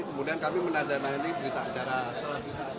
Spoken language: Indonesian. kemudian kami menandatangani berita acara selanjutnya secara ini